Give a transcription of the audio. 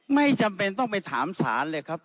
ไม่จำเป็นต้องไปถามศาลเลยครับ